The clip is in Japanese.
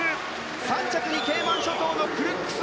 ３着にケイマン諸島のクルックス。